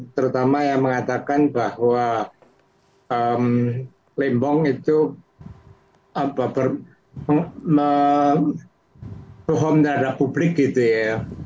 terutama yang mengatakan bahwa limbong itu berhormat dengan publik gitu ya